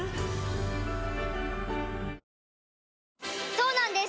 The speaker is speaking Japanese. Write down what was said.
そうなんです